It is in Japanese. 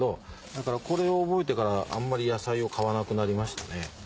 だからこれを覚えてからあんまり野菜を買わなくなりましたね。